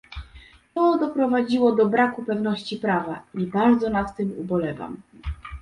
To doprowadziło do braku pewności prawa i bardzo nad tym ubolewam